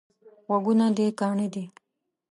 غوږونه دي کاڼه دي؟